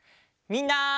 みんな！